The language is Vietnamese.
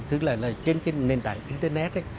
tức là trên cái nền tảng internet ấy